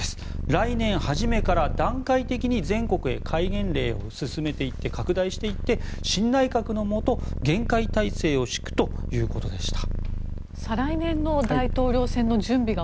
来年初めから段階的に全国に戒厳令を進めていって拡大していって新内閣のもと、厳戒態勢を敷くということでした。